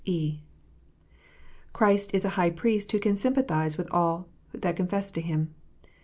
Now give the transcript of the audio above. (e) Christ is a High Priest who can sympathize with all that confess to Him.